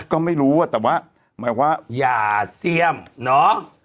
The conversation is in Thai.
ก็ไม่รู้แต่ว่าหมายว่าอย่าเสี่ยมเนาะ